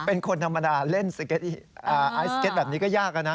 เป็นคนธรรมดาเล่นไอศเก็ตแบบนี้ก็ยากนะ